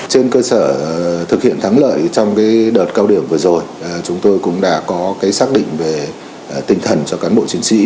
trên cơ sở thực hiện thắng lợi trong đợt cao điểm vừa rồi chúng tôi cũng đã có xác định về tinh thần cho cán bộ chiến sĩ